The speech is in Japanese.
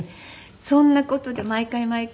そんな事で毎回毎回こう。